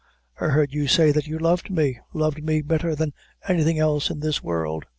I heard you say that you loved me loved me better than anything else in this world.